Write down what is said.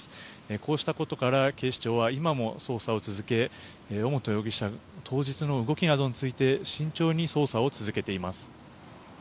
こうしたことから警視庁は今も捜査を続け尾本容疑者の当日の動きなどについて慎重に捜査を続けています。